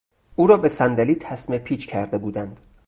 او را به صندلی تسمه پیچ کرده بودند.